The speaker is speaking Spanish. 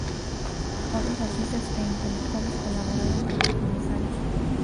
Otros artistas e intelectuales colaboraron con el Comisariado.